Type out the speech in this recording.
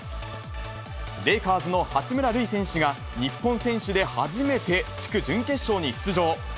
レイカーズの八村塁選手が、日本選手で初めて地区準決勝に出場。